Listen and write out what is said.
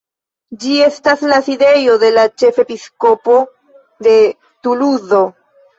Ĝi estas la sidejo de la Ĉefepiskopo de Tuluzo.